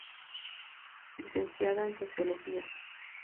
Licenciada en Sociología.